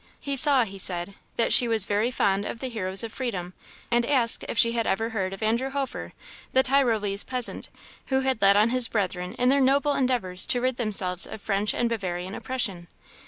He saw, he said, that she was very fond of the heroes of freedom, and asked if she had ever heard of Andrew Hofer, the Tyrolese peasant, who had led on his brethren in their noble endeavours to rid themselves of French and Bavarian oppression.